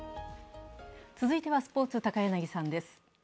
続いてはスポーツ、高柳さんです